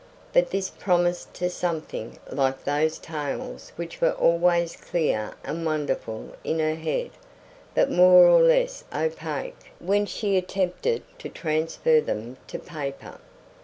But this promised to be something like those tales which were always clear and wonderful in her head but more or less opaque when she attempted to transfer them to paper.